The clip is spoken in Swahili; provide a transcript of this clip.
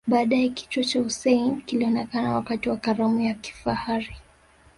Baadae kichwa cha Hussein kilionekana wakati wa karamu ya kifahari